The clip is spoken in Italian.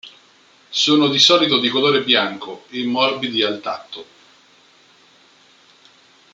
Sono di solito di colore bianco e morbidi al tatto.